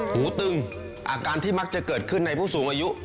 หูตึงอาการที่มักจะเกิดขึ้นในผู้สูงอายุ